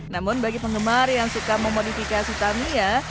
namun bagi penggemar yang suka memodifikasi tamiya